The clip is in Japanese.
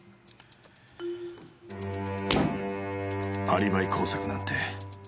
アリバイ工作なんて。